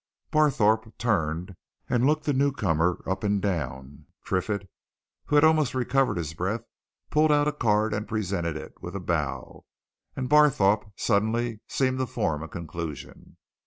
Barthorpe turned and looked the new comer up and down. Triffitt, who had almost recovered his breath, pulled out a card and presented it with a bow. And Barthorpe suddenly seemed to form a conclusion.